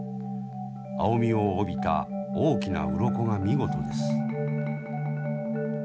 青みを帯びた大きなうろこが見事です。